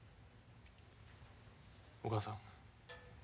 お母さん。